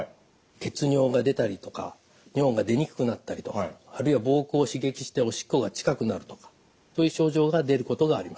血尿が出たりとか尿が出にくくなったりとかあるいは膀胱を刺激しておしっこが近くなるとかという症状が出ることがあります。